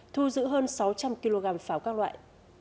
thu giữ hơn sáu trăm linh kg pháo các loại